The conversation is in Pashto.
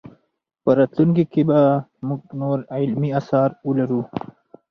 په راتلونکي کې به موږ نور علمي اثار ولرو.